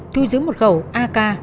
thu dưỡng một khẩu ak